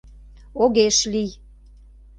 Огеш лий.